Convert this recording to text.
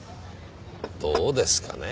どうですかね？